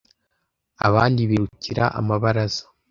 Abandi birukira amabaraza,